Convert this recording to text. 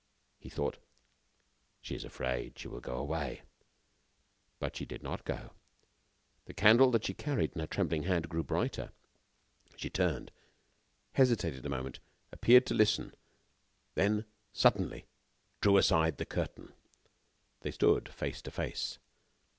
He thought: "She is afraid. She will go away." But she did not go. The candle, that she carried in her trembling hand, grew brighter. She turned, hesitated a moment, appeared to listen, then suddenly drew aside the curtain. They stood face to face.